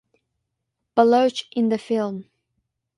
Baloch in the film.